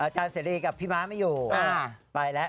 จานเซรียกับพี่ม้าไม่อยู่